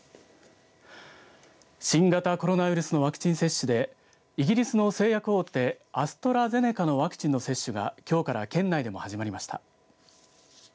新型コロナウイルスのワクチン接種でイギリスの製薬大手アストラゼネカのワクチンの接種が、きょうから県内でも始まりました。